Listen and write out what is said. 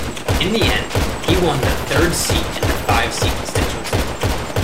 In the end he won the third seat in the five-seat constituency.